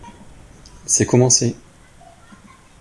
C'est commencé!